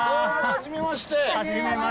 はじめまして。